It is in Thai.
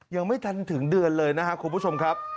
ยังไม่ทันถึงเดือนเลยนะครับคุณผู้ชมครับ